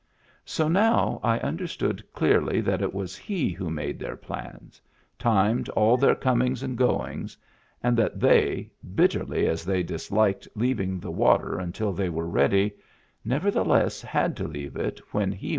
So now I understood clearly that it was he who made their plans, timed all their comings and goings, and that they, bitterly as they disliked leaving the water until they were ready, never theless had to leave it when he was ready.